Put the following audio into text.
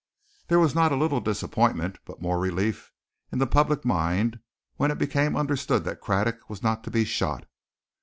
There was not a little disappointment, but more relief, in the public mind when it became understood that Craddock was not to be shot.